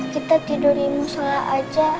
kita tidur di masjolah aja